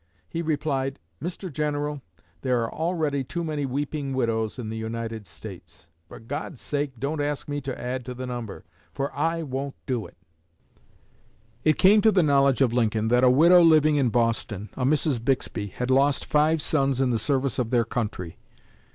He replied: 'Mr. General, there are already too many weeping widows in the United States. For God's sake, don't ask me to add to the number, for I won't do it.'" It came to the knowledge of Lincoln that a widow living in Boston a Mrs. Bixby had lost five sons in the service of their country.